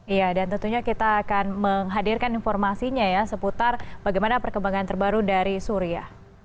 iya dan tentunya kita akan menghadirkan informasinya ya seputar bagaimana perkembangan terbaru dari suria